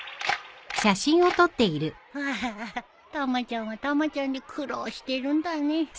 アハハたまちゃんはたまちゃんで苦労してるんだね。